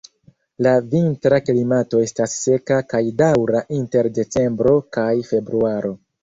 La vintra klimato estas seka kaj daŭras inter decembro kaj februaro.